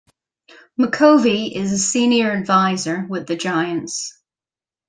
McCovey is a senior advisor with the Giants.